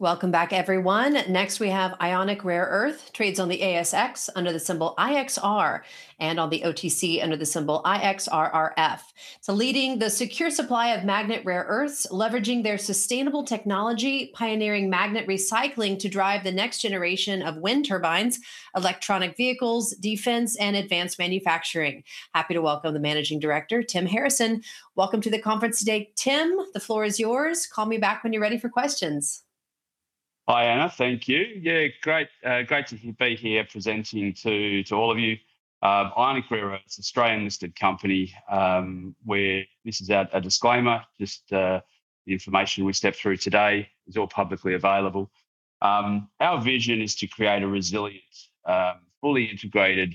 Welcome back, everyone. Next, we have Ionic Rare Earths, trades on the ASX under the symbol IXR, and on the OTC under the symbol IXRRF. It's leading the secure supply of magnet rare earths, leveraging their sustainable technology, pioneering magnet recycling to drive the next generation of wind turbines, electric vehicles, defense, and advanced manufacturing. Happy to welcome the Managing Director, Tim Harrison. Welcome to the conference today. Tim, the floor is yours. Call me back when you're ready for questions. Hi, Anna, thank you. Yeah, great to be here presenting to all of you. Ionic Rare Earths, an Australian-listed company, where this is a disclaimer, just the information we step through today is all publicly available. Our vision is to create a resilient, fully integrated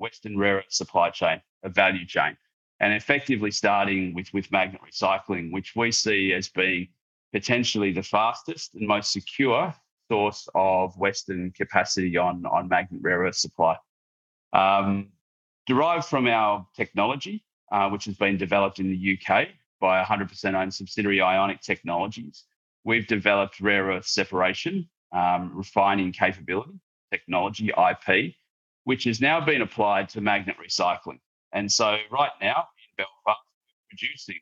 Western rare earth supply chain, a value chain, and effectively starting with magnet recycling, which we see as being potentially the fastest and most secure source of Western capacity on magnet rare earth supply. Derived from our technology, which has been developed in the U.K. by 100% owned subsidiary Ionic Technologies, we've developed rare earth separation, refining capability technology, IP, which has now been applied to magnet recycling. And so right now, in Belfast, we're producing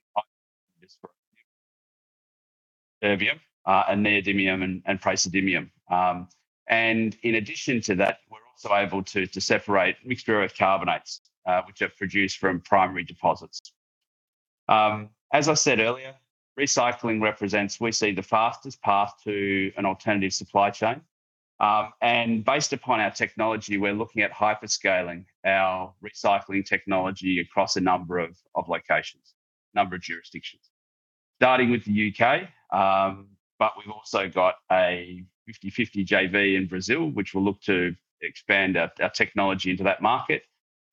neodymium and praseodymium. And in addition to that, we're also able to separate mixed rare earth carbonates, which are produced from primary deposits. As I said earlier, recycling represents, we see, the fastest path to an alternative supply chain, and based upon our technology, we're looking at hyperscaling our recycling technology across a number of locations, a number of jurisdictions, starting with the U.K. But we've also got a 50/50 JV in Brazil, which will look to expand our technology into that market,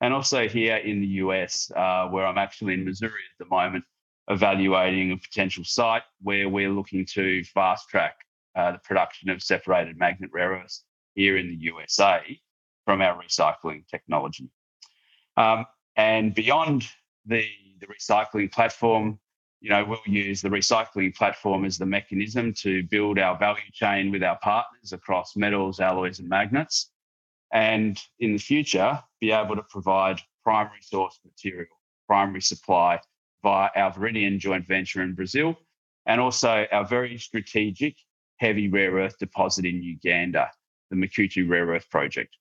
and also here in the U.S., where I'm actually in Missouri at the moment, evaluating a potential site where we're looking to fast-track the production of separated magnet rare earths here in the USA from our recycling technology. Beyond the recycling platform, we'll use the recycling platform as the mechanism to build our value chain with our partners across metals, alloys, and magnets, and in the future, be able to provide primary source material, primary supply via our Viridian joint venture in Brazil, and also our very strategic heavy rare earth deposit in Uganda, the Makuutu Rare Earth Project.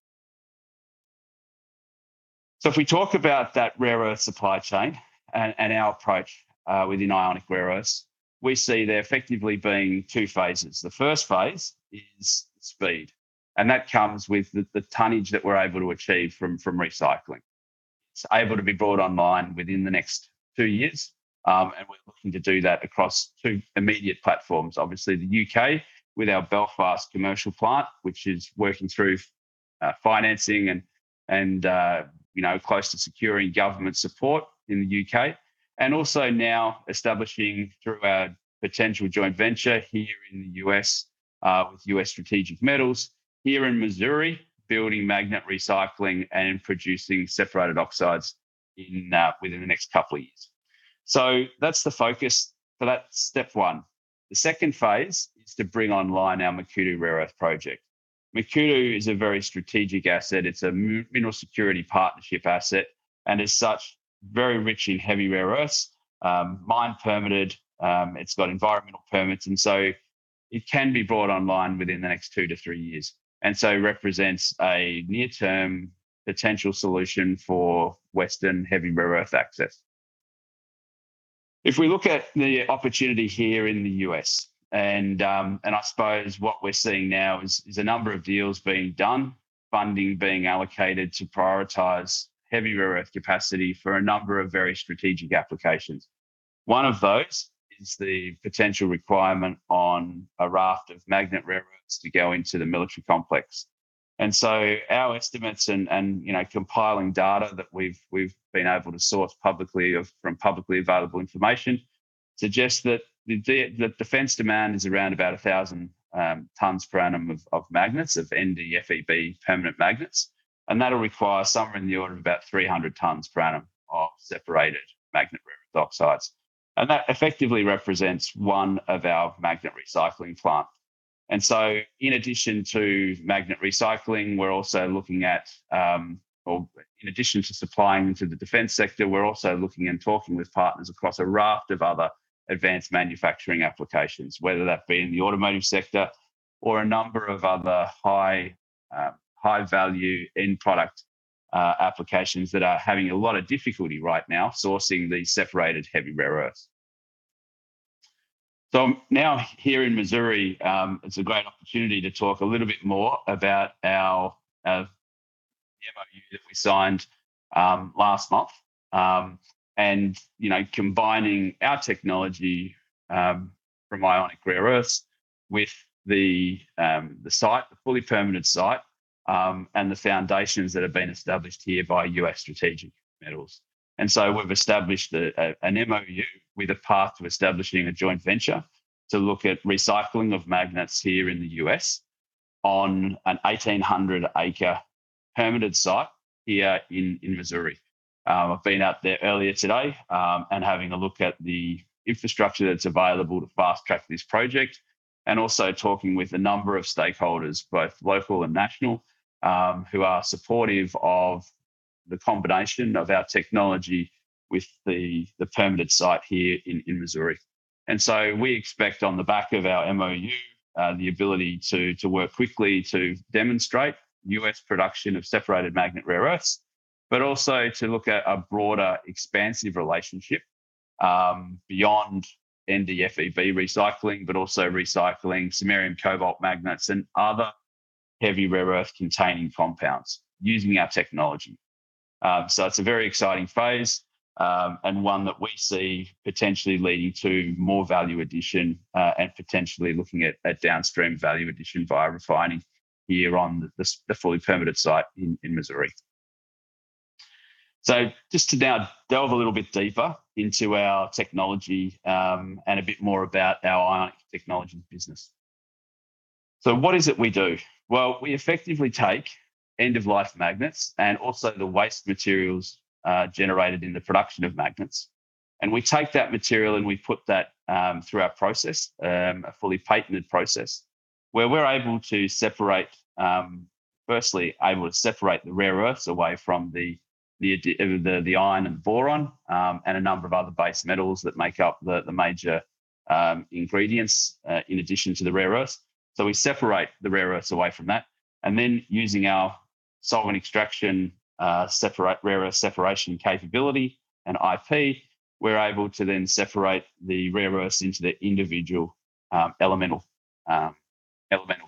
If we talk about that rare earth supply chain and our approach within Ionic Rare Earths, we see there effectively being two phases. The first phase is speed, and that comes with the tonnage that we're able to achieve from recycling. It's able to be brought online within the next two years, and we're looking to do that across two immediate platforms. Obviously, the U.K. with our Belfast commercial plant, which is working through financing and close to securing government support in the U.K., and also now establishing through our potential joint venture here in the U.S. with US Strategic Metals here in Missouri, building magnet recycling and producing separated oxides within the next couple of years. So that's the focus for that step one. The second phase is to bring online our Makuutu Rare Earth Project. Makuutu is a very strategic asset. It's a mineral security partnership asset, and as such, very rich in heavy rare earths, mine permitted, it's got environmental permits, and so it can be brought online within the next two to three years, and so represents a near-term potential solution for Western heavy rare earth access. If we look at the opportunity here in the US, and I suppose what we're seeing now is a number of deals being done, funding being allocated to prioritize heavy rare earth capacity for a number of very strategic applications. One of those is the potential requirement on a raft of magnet rare earths to go into the military complex. And so our estimates and compiling data that we've been able to source publicly from publicly available information suggest that the defense demand is around about 1,000 tons per annum of magnets, of NdFeB permanent magnets, and that'll require somewhere in the order of about 300 tons per annum of separated magnet rare earth oxides. And that effectively represents one of our magnet recycling plants. And so in addition to magnet recycling, we're also looking at, or in addition to supplying to the defense sector, we're also looking and talking with partners across a raft of other advanced manufacturing applications, whether that be in the automotive sector or a number of other high-value end product applications that are having a lot of difficulty right now sourcing these separated Heavy Rare Earths. So now here in Missouri, it's a great opportunity to talk a little bit more about our MOU that we signed last month, and combining our technology from Ionic Rare Earths with the site, the fully permitted site, and the foundations that have been established here by U.S. Strategic Metals. And so we've established an MOU with a path to establishing a joint venture to look at recycling of magnets here in the U.S. on an 1,800-acre permanent site here in Missouri. I've been out there earlier today and having a look at the infrastructure that's available to fast-track this project, and also talking with a number of stakeholders, both local and national, who are supportive of the combination of our technology with the permitted site here in Missouri. We expect on the back of our MOU the ability to work quickly to demonstrate US production of separated magnet rare earths, but also to look at a broader expansive relationship beyond NdFeB recycling, but also recycling samarium cobalt magnets and other heavy rare earth containing compounds using our technology. It's a very exciting phase and one that we see potentially leading to more value addition and potentially looking at downstream value addition via refining here on the fully permitted site in Missouri. So just to now delve a little bit deeper into our technology and a bit more about our Ionic Technologies business. So what is it we do? Well, we effectively take end-of-life magnets and also the waste materials generated in the production of magnets. And we take that material and we put that through our process, a fully patented process, where we're able to separate, firstly, able to separate the rare earths away from the iron and boron and a number of other base metals that make up the major ingredients in addition to the rare earths. So we separate the rare earths away from that. And then using our solvent extraction, rare earth separation capability and IP, we're able to then separate the rare earths into their individual elemental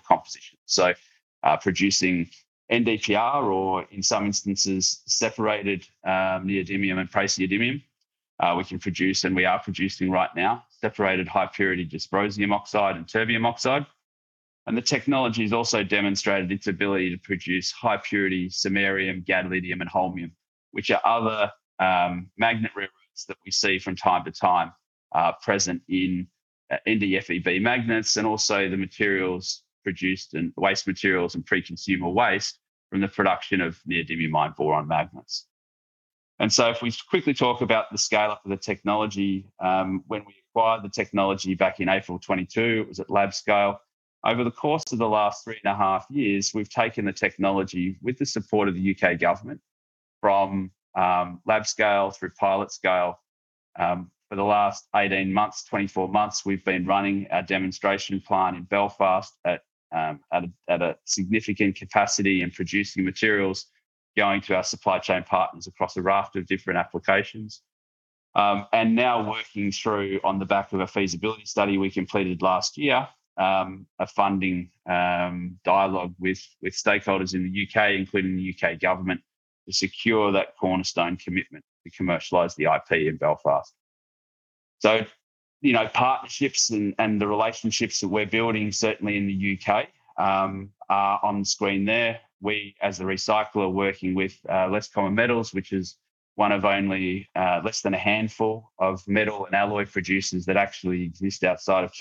composition. Producing NDPR or in some instances separated neodymium and praseodymium, we can produce, and we are producing right now, separated high-purity dysprosium oxide and terbium oxide. The technology has also demonstrated its ability to produce high-purity samarium, gadolinium, and holmium, which are other magnet rare earths that we see from time to time present in NdFeB magnets and also the materials produced and waste materials and pre-consumer waste from the production of neodymium iron boron magnets. If we quickly talk about the scale up of the technology, when we acquired the technology back in April 2022, it was at lab scale. Over the course of the last three and a half years, we've taken the technology with the support of the U.K. government from lab scale through pilot scale. For the last 18 months, 24 months, we've been running our demonstration plant in Belfast at a significant capacity and producing materials going to our supply chain partners across a raft of different applications and now working through on the back of a feasibility study we completed last year, a funding dialogue with stakeholders in the U.K., including the U.K. government, to secure that cornerstone commitment to commercialize the IP in Belfast so partnerships and the relationships that we're building, certainly in the U.K., are on the screen there. We, as a recycler, are working with Less Common Metals, which is one of only less than a handful of metal and alloy producers that actually exist outside of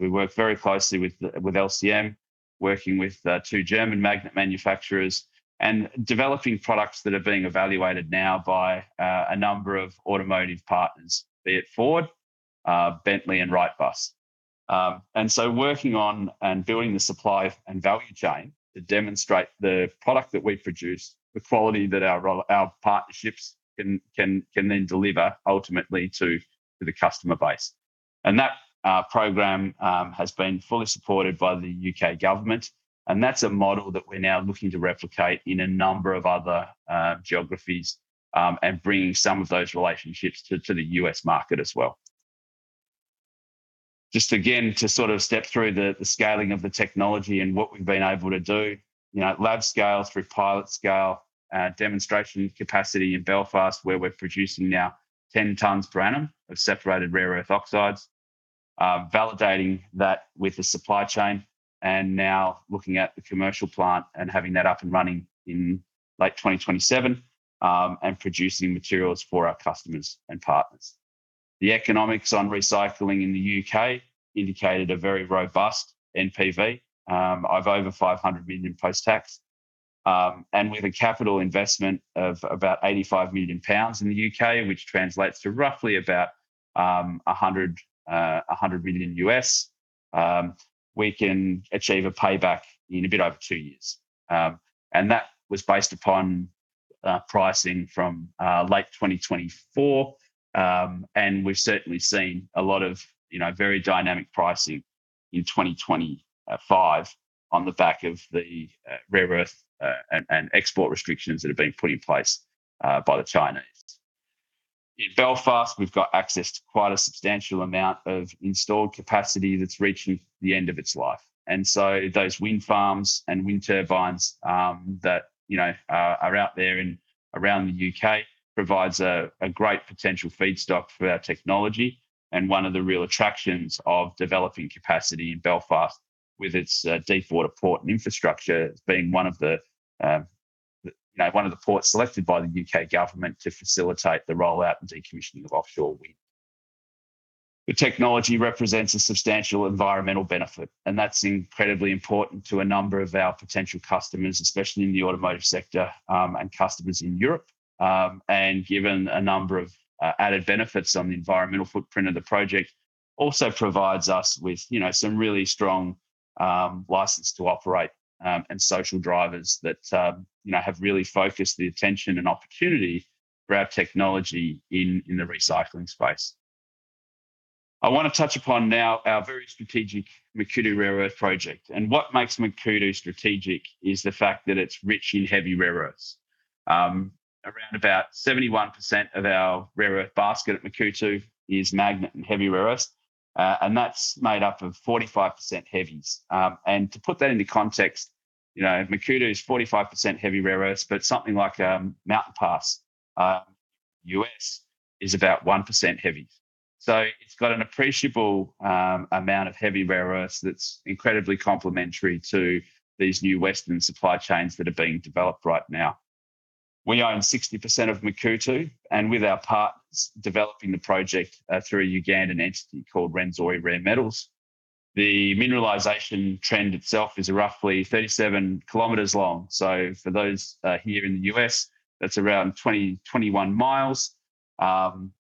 China. We work very closely with LCM, working with two German magnet manufacturers and developing products that are being evaluated now by a number of automotive partners, be it Ford, Bentley, and Wrightbus. And so working on and building the supply and value chain to demonstrate the product that we produce with quality that our partnerships can then deliver ultimately to the customer base. And that program has been fully supported by the UK government, and that's a model that we're now looking to replicate in a number of other geographies and bringing some of those relationships to the US market as well. Just again, to sort of step through the scaling of the technology and what we've been able to do, lab scale through pilot scale, demonstration capacity in Belfast, where we're producing now 10 tons per annum of separated rare earth oxides, validating that with the supply chain, and now looking at the commercial plant and having that up and running in late 2027 and producing materials for our customers and partners. The economics on recycling in the U.K. indicated a very robust NPV of over 500 million GBP post-tax, and with a capital investment of about 85 million pounds in the U.K., which translates to roughly about $100 million, we can achieve a payback in a bit over two years. That was based upon pricing from late 2024, and we've certainly seen a lot of very dynamic pricing in 2025 on the back of the rare earth and export restrictions that have been put in place by the Chinese. In Belfast, we've got access to quite a substantial amount of installed capacity that's reaching the end of its life. And so those wind farms and wind turbines that are out there and around the U.K. provide a great potential feedstock for our technology. And one of the real attractions of developing capacity in Belfast, with its deep water port and infrastructure, being one of the ports selected by the U.K. government to facilitate the rollout and decommissioning of offshore wind. The technology represents a substantial environmental benefit, and that's incredibly important to a number of our potential customers, especially in the automotive sector and customers in Europe. Given a number of added benefits on the environmental footprint of the project, it also provides us with some really strong license to operate and social drivers that have really focused the attention and opportunity for our technology in the recycling space. I want to touch upon now our very strategic Makuutu Rare Earths Project. What makes Makuutu strategic is the fact that it's rich in heavy rare earths. Around about 71% of our rare earth basket at Makuutu is magnet and heavy rare earths, and that's made up of 45% heavies. To put that into context, Makuutu is 45% heavy rare earths, but something like Mountain Pass, U.S., is about 1% heavies. So it's got an appreciable amount of heavy rare earths that's incredibly complementary to these new Western supply chains that are being developed right now. We own 60% of Makuutu, and with our partners developing the project through a Ugandan entity called Rwenzori Rare Metals, the mineralization trend itself is roughly 37 km long. So for those here in the U.S., that's around 20-21 miles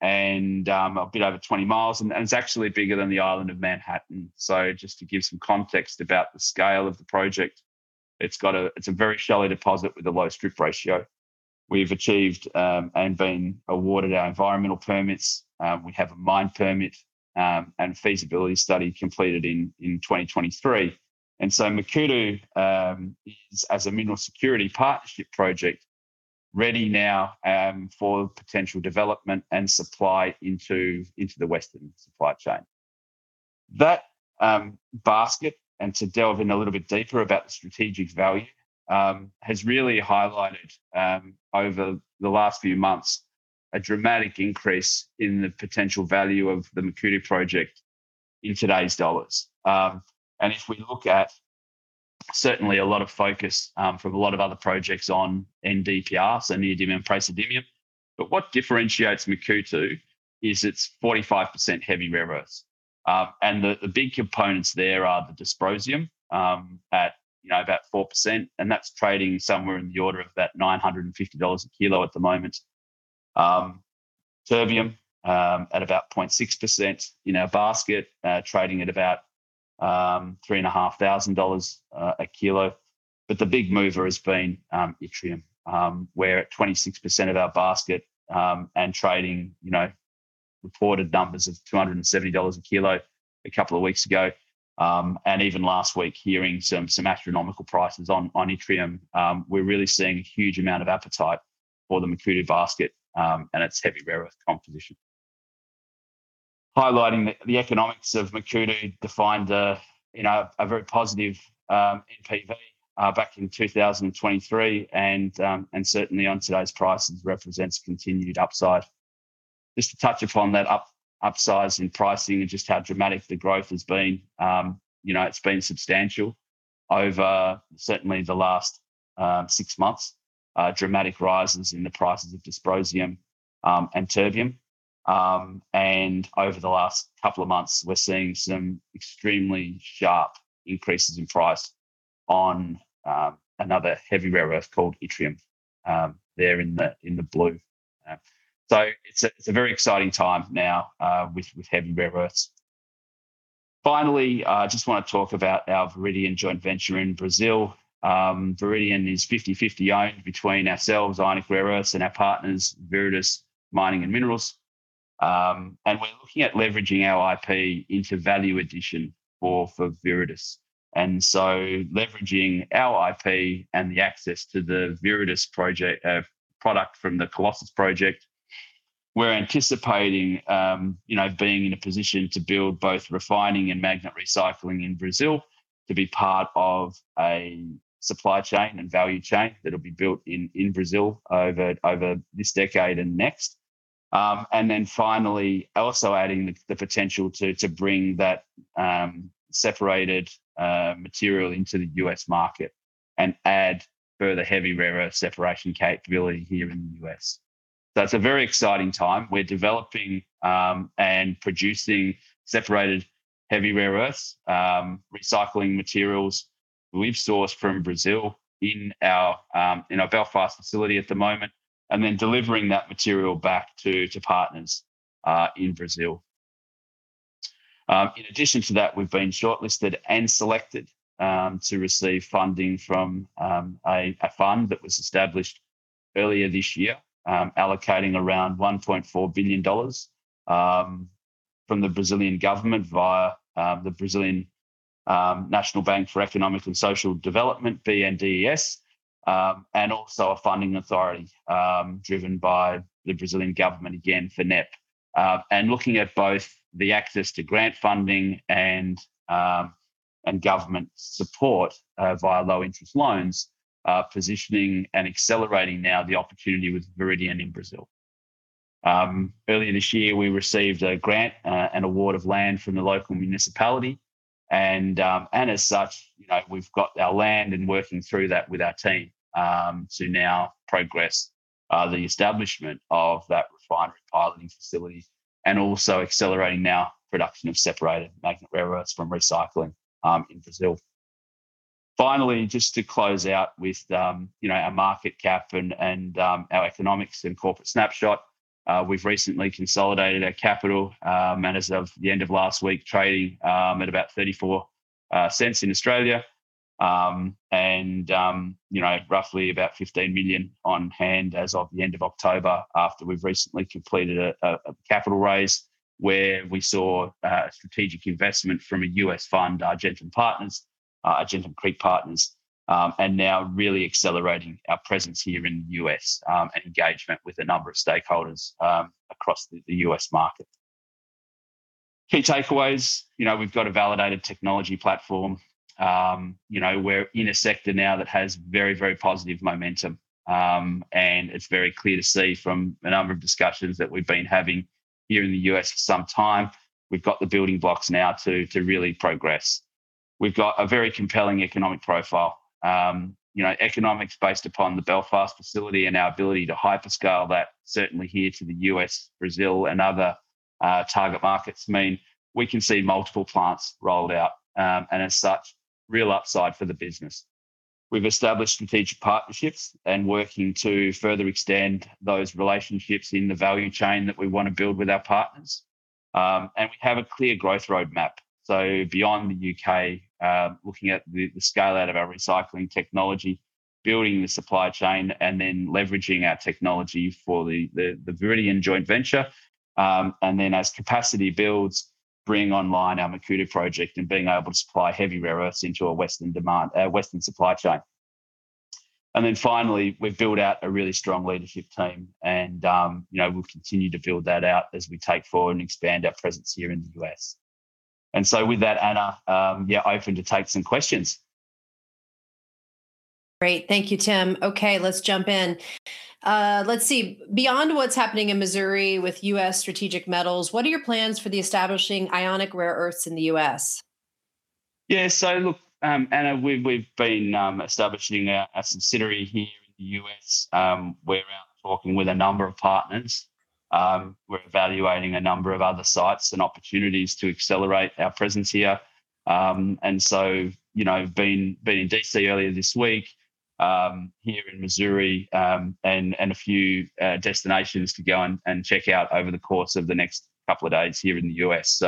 and a bit over 20 miles, and it's actually bigger than the island of Manhattan. So just to give some context about the scale of the project, it's a very shallow deposit with a low strip ratio. We've achieved and been awarded our environmental permits. We have a mine permit and feasibility study completed in 2023. Makuutu is, as a mineral security partnership project, ready now for potential development and supply into the Western supply chain. That basket, and to delve in a little bit deeper about the strategic value, has really highlighted over the last few months a dramatic increase in the potential value of the Makuutu project in today's dollars. If we look at certainly a lot of focus from a lot of other projects on NdPr, so Neodymiumand Praseodymium, but what differentiates Makuutu is it’s 45% heavy rare earths. The big components there are the dysprosium at about 4%, and that’s trading somewhere in the order of about $950 a kilo at the moment. Terbium at about 0.6% in our basket, trading at about $3,500 a kilo. But the big mover has been yttrium, where at 26% of our basket and trading reported numbers of $270 a kilo a couple of weeks ago, and even last week hearing some astronomical prices on yttrium, we're really seeing a huge amount of appetite for the Makuutu basket and its heavy rare earth composition. Highlighting the economics of Makuutu defined a very positive NPV back in 2023, and certainly on today's prices represents continued upside. Just to touch upon that upsize in pricing and just how dramatic the growth has been, it's been substantial over certainly the last six months, dramatic rises in the prices of dysprosium and terbium, and over the last couple of months, we're seeing some extremely sharp increases in price on another heavy rare earth called yttrium there in the blue, so it's a very exciting time now with heavy rare earths. Finally, I just want to talk about our Viridian joint venture in Brazil. Viridian is 50/50 owned between ourselves, Ionic Rare Earths, and our partners, Viridis Mining and Minerals. And we're looking at leveraging our IP into value addition for Viridis. And so leveraging our IP and the access to the Viridis product from the Colossus Project, we're anticipating being in a position to build both refining and magnet recycling in Brazil to be part of a supply chain and value chain that will be built in Brazil over this decade and next. And then finally, also adding the potential to bring that separated material into the U.S. market and add further heavy rare earth separation capability here in the U.S. So it's a very exciting time, we're developing and producing separated heavy rare earths, recycling materials we've sourced from Brazil in our Belfast facility at the moment, and then delivering that material back to partners in Brazil. In addition to that, we've been shortlisted and selected to receive funding from a fund that was established earlier this year, allocating around $1.4 billion from the Brazilian government via the Brazilian National Bank for Economic and Social Development, BNDES, and also a funding authority driven by the Brazilian government, again, FNEP, and looking at both the access to grant funding and government support via low-interest loans, positioning and accelerating now the opportunity with Viridian in Brazil. Earlier this year, we received a grant, an award of land from the local municipality, and as such, we've got our land and working through that with our team to now progress the establishment of that refinery piloting facility and also accelerating now production of separated magnet rare earths from recycling in Brazil. Finally, just to close out with our market cap and our economics and corporate snapshot, we've recently consolidated our capital, and as of the end of last week, trading at about 0.34 in Australia and roughly about 15 million on hand as of the end of October after we've recently completed a capital raise where we saw a strategic investment from a US fund, Argentum Creek Partners, and now really accelerating our presence here in the US and engagement with a number of stakeholders across the US market. Key takeaways, we've got a validated technology platform. We're in a sector now that has very, very positive momentum, and it's very clear to see from a number of discussions that we've been having here in the U.S. for some time. We've got the building blocks now to really progress. We've got a very compelling economic profile. Economics based upon the Belfast facility and our ability to hyperscale that certainly here to the U.S., Brazil, and other target markets mean we can see multiple plants rolled out, and as such, real upside for the business. We've established strategic partnerships and working to further extend those relationships in the value chain that we want to build with our partners, and we have a clear growth roadmap, so beyond the U.K., looking at the scale out of our recycling technology, building the supply chain, and then leveraging our technology for the Viridian joint venture. Then as capacity builds, bringing online our Makuutu project and being able to supply heavy rare earths into a Western supply chain. Then finally, we've built out a really strong leadership team, and we'll continue to build that out as we take forward and expand our presence here in the U.S. So with that, Anna, yeah, open to take some questions. Great. Thank you, Tim. Okay, let's jump in. Let's see. Beyond what's happening in Missouri with US Strategic Metals, what are your plans for establishing Ionic Rare Earths in the U.S.? Yeah, so look, Anna, we've been establishing our subsidiary here in the U.S. We're out talking with a number of partners. We're evaluating a number of other sites and opportunities to accelerate our presence here. Being in D.C. earlier this week here in Missouri, and a few destinations to go and check out over the course of the next couple of days here in the U.S.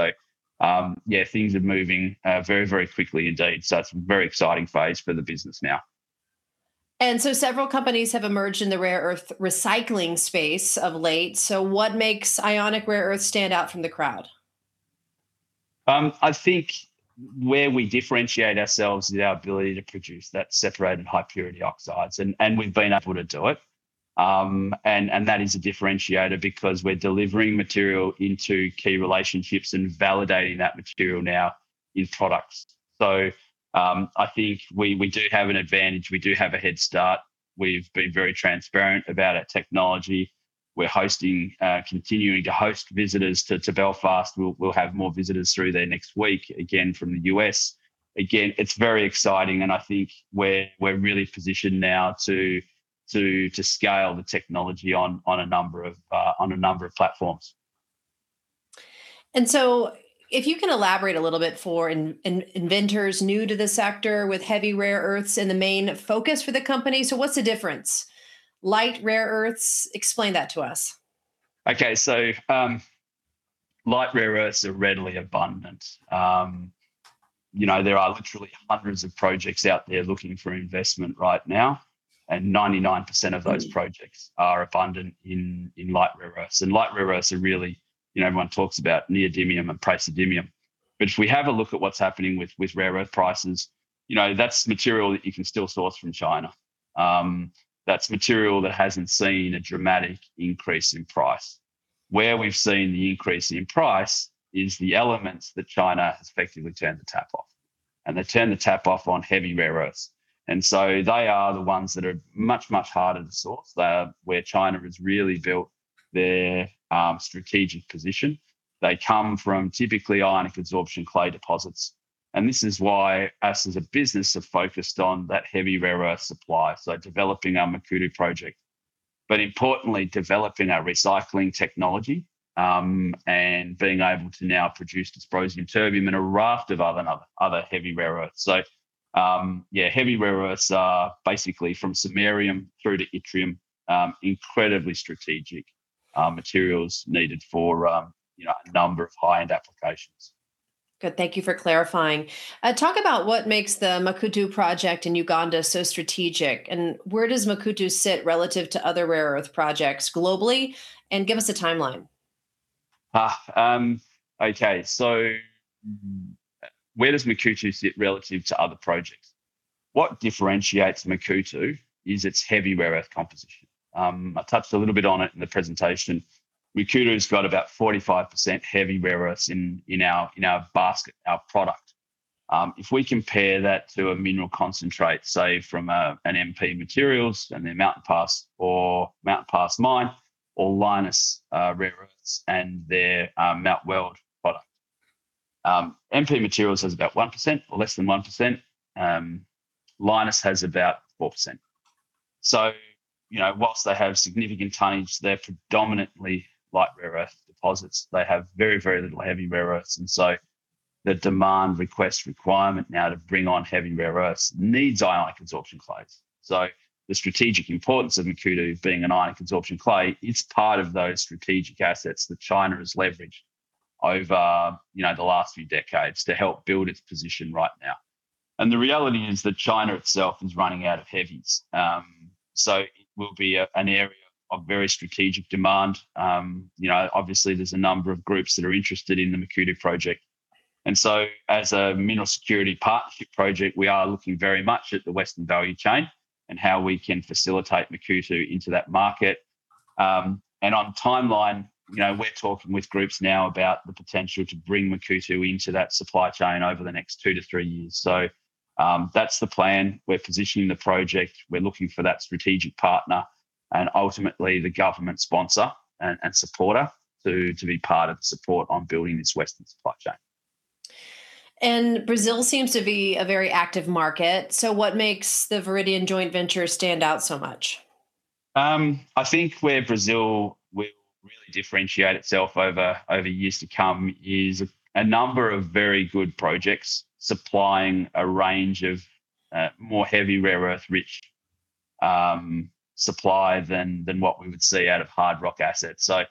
Yeah, things are moving very, very quickly indeed. It is a very exciting phase for the business now. Several companies have emerged in the rare earth recycling space of late. What makes Ionic Rare Earths stand out from the crowd? I think where we differentiate ourselves is our ability to produce that separated high purity oxides, and we have been able to do it. That is a differentiator because we are delivering material into key relationships and validating that material now in products. I think we do have an advantage. We do have a head start. We have been very transparent about our technology. We are continuing to host visitors to Belfast. We'll have more visitors through there next week, again, from the US. Again, it's very exciting, and I think we're really positioned now to scale the technology on a number of platforms. And so if you can elaborate a little bit for investors new to the sector with heavy rare earths in the main focus for the company. So what's the difference? Light rare earths? Explain that to us. Okay, so light rare earths are readily abundant. There are literally hundreds of projects out there looking for investment right now, and 99% of those projects are abundant in light rare earths. And light rare earths are really everyone talks about Neodymium and Praseodymium. But if we have a look at what's happening with rare earth prices, that's material that you can still source from China. That's material that hasn't seen a dramatic increase in price. Where we've seen the increase in price is the elements that China has effectively turned the tap off, and they turned the tap off on heavy rare earths, and so they are the ones that are much, much harder to source. They are where China has really built their strategic position. They come from typically ionic adsorption clay deposits, and this is why us as a business have focused on that heavy rare earth supply, so developing our Makuutu project, but importantly, developing our recycling technology and being able to now produce dysprosium, terbium, and a raft of other heavy rare earths, so yeah, heavy rare earths are basically from samarium through to Yttrium, incredibly strategic materials needed for a number of high-end applications. Good. Thank you for clarifying. Talk about what makes the Makuutu project in Uganda so strategic, and where does Makuutu sit relative to other rare earth projects globally, and give us a timeline. Okay, so where does Makuutu sit relative to other projects? What differentiates Makuutu is its heavy rare earth composition. I touched a little bit on it in the presentation. Makuutu has got about 45% heavy rare earths in our basket, our product. If we compare that to a mineral concentrate, say, from an MP Materials and their Mountain Pass or Mountain Pass Mine or Lynas Rare Earths and their Mount Weld product, MP Materials has about 1% or less than 1%. Lynas has about 4%. So whilst they have significant tonnage, they're predominantly light rare earth deposits. They have very, very little heavy rare earths. And so the demand request requirement now to bring on heavy rare earths needs ionic adsorption clays. The strategic importance of Makuutu being an ionic absorption clay, it's part of those strategic assets that China has leveraged over the last few decades to help build its position right now. The reality is that China itself is running out of heavies. It will be an area of very strategic demand. Obviously, there's a number of groups that are interested in the Makuutu project. As a mineral security partnership project, we are looking very much at the Western value chain and how we can facilitate Makuutu into that market. On timeline, we're talking with groups now about the potential to bring Makuutu into that supply chain over the next two to three years. That's the plan. We're positioning the project. We're looking for that strategic partner and ultimately the government sponsor and supporter to be part of the support on building this Western supply chain. And Brazil seems to be a very active market. So what makes the Viridian joint venture stand out so much? I think where Brazil will really differentiate itself over years to come is a number of very good projects supplying a range of more heavy rare earth-rich supply than what we would see out of hard rock assets. So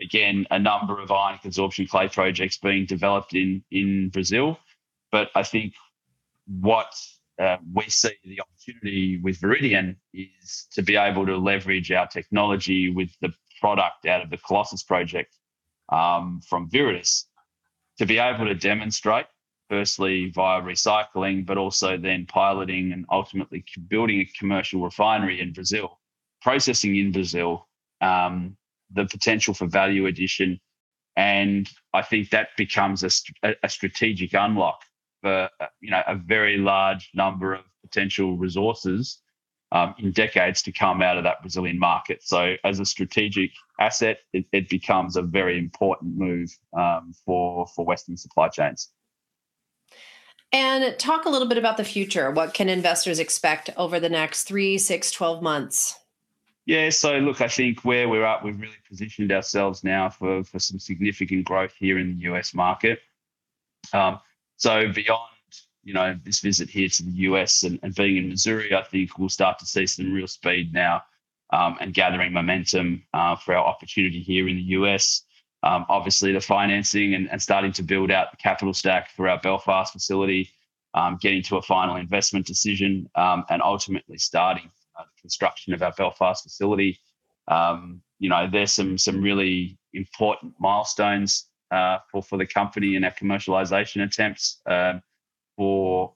again, a number of ionic adsorption clay projects being developed in Brazil. But I think what we see the opportunity with Viridian is to be able to leverage our technology with the product out of the Colossus Project from Viridis to be able to demonstrate, firstly via recycling, but also then piloting and ultimately building a commercial refinery in Brazil, processing in Brazil, the potential for value addition. And I think that becomes a strategic unlock for a very large number of potential resources in decades to come out of that Brazilian market. So as a strategic asset, it becomes a very important move for Western supply chains. And talk a little bit about the future. What can investors expect over the next three, six, 12 months? Yeah, so look, I think where we're at, we've really positioned ourselves now for some significant growth here in the U.S. market. So beyond this visit here to the U.S. and being in Missouri, I think we'll start to see some real speed now and gathering momentum for our opportunity here in the U.S. Obviously, the financing and starting to build out the capital stack for our Belfast facility, getting to a final investment decision, and ultimately starting the construction of our Belfast facility. There's some really important milestones for the company and our commercialization attempts for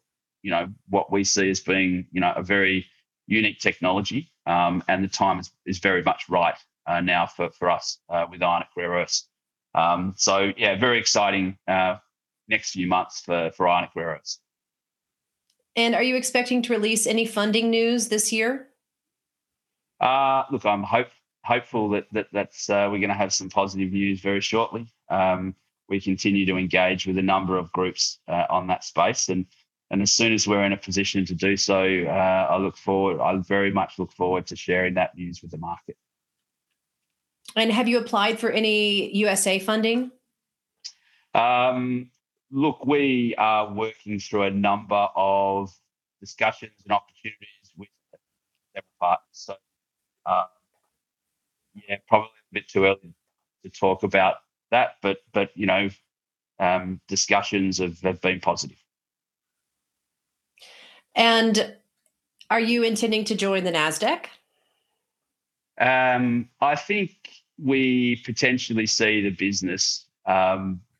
what we see as being a very unique technology, and the time is very much right now for us with Ionic Rare Earths. So yeah, very exciting next few months for Ionic Rare Earths. And are you expecting to release any funding news this year? Look, I'm hopeful that we're going to have some positive news very shortly. We continue to engage with a number of groups on that space, and as soon as we're in a position to do so, I very much look forward to sharing that news with the market. Have you applied for any USA funding? Look, we are working through a number of discussions and opportunities with different partners. So yeah, probably a bit too early to talk about that, but discussions have been positive. Are you intending to join the Nasdaq? I think we potentially see the business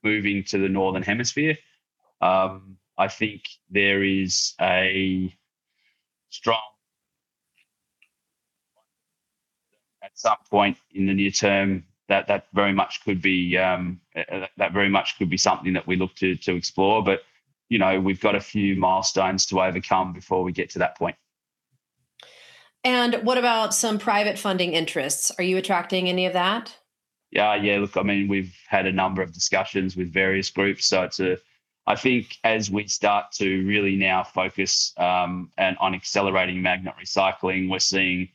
moving to the Northern Hemisphere.I think there is a strong at some point in the near term that very much could be something that we look to explore, but we've got a few milestones to overcome before we get to that point. What about some private funding interests? Are you attracting any of that? Yeah, look, I mean, we've had a number of discussions with various groups. So I think as we start to really now focus on accelerating magnet recycling, we're seeing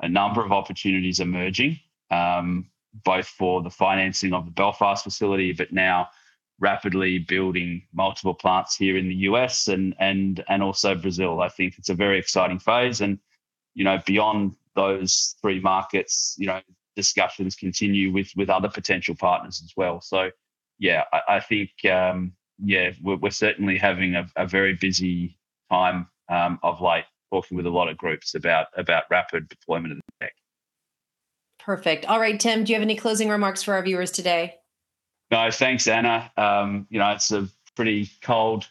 a number of opportunities emerging, both for the financing of the Belfast facility, but now rapidly building multiple plants here in the U.S. and also Brazil. I think it's a very exciting phase, and beyond those three markets, discussions continue with other potential partners as well. So yeah, I think, we're certainly having a very busy time of talking with a lot of groups about rapid deployment of the tech. Perfect. All right, Tim, do you have any closing remarks for our viewers today? No, thanks, Anna. It's pretty cold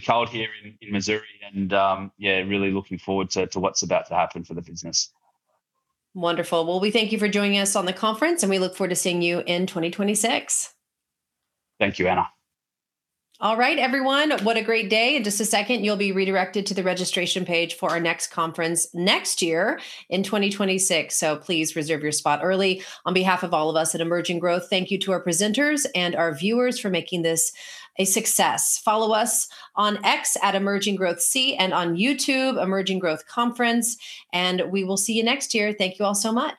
here in Missouri, and yeah, really looking forward to what's about to happen for the business. Wonderful. Wonderful, we thank you for joining us on the conference, and we look forward to seeing you in 2026. Thank you, Anna. All right, everyone, what a great day. In just a second, you'll be redirected to the registration page for our next conference next year in 2026. So please reserve your spot early. On behalf of all of us at Emerging Growth, thank you to our presenters and our viewers for making this a success. Follow us on X @EmergingGrowthC and on YouTube, Emerging Growth Conference, and we will see you next year. Thank you all so much.